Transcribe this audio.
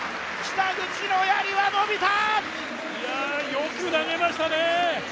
いや、よく投げましたね。